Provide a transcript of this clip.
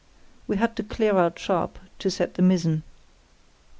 We had to clear out sharp, to set the mizzen.